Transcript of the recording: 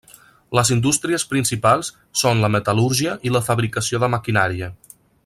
Les indústries principals són la metal·lúrgia i la fabricació de maquinària.